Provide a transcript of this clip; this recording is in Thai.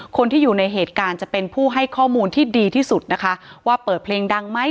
คนที่อยู่ในเหตุการณ์จะเป็นผู้ให้ข้อมูลที่ดีที่สุดนะคะว่าเปิดเพลงดังไหม